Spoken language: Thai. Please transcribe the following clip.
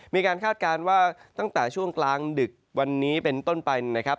คาดการณ์ว่าตั้งแต่ช่วงกลางดึกวันนี้เป็นต้นไปนะครับ